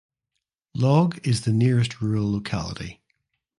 Log is the nearest rural locality.